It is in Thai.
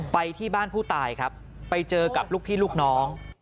ไปที่บ้านผู้ตายครับไปเจอกับลูกพี่ลูกน้อง